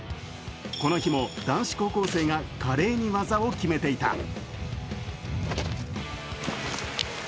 この日も男子高校生が華麗に技を決めていた。